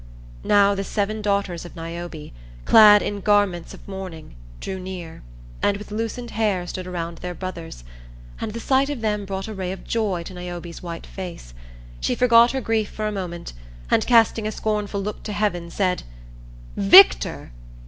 Now the seven daughters of Niobe, clad in garments of mourning, drew near, and with loosened hair stood around their brothers. And the sight of them brought a ray of joy to Niobe's white face. She forgot her grief for a moment, and casting a scornful look to heaven, said, "Victor!